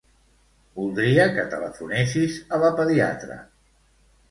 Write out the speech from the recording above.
Voldria que telefonessis a la pediatra.